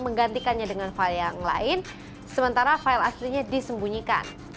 menggantikannya dengan file yang lain sementara file aslinya disembunyikan